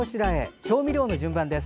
調味料の順番です。